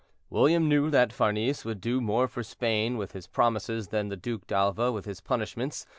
William knew that Farnese would do more for Spain with his promises than the Duc d'Alva with his punishments.